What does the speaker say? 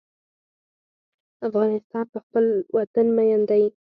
افغانان په خپل وطن مین دي.